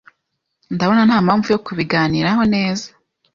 Ndabona ntampamvu yo kubiganiraho neza.